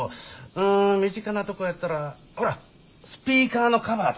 うん身近なとこやったらほらスピーカーのカバーとか。